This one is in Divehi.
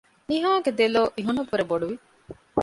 ނިހާގެ ދެލޯ އިހުނަށްވުރެ ބޮޑުވި